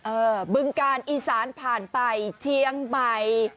บึงกาลอีสานผ่านไปเชียงใหม่